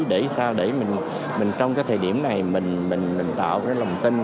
để sao để mình trong cái thời điểm này mình tạo cái lòng tin